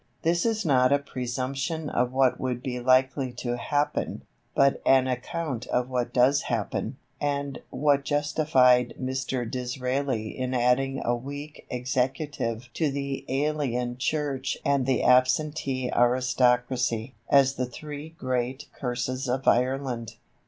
This is not a presumption of what would be likely to happen, but an account of what does happen, and what justified Mr. Disraeli in adding a weak Executive to the alien Church and the absentee aristocracy, as the three great curses of Ireland.